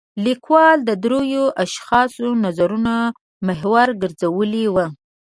لیکوال د درېو اشخاصو نظرونه محور ګرځولی و.